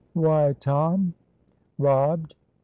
"Why, Tom?" "Robbed!"